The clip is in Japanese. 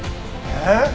えっ！？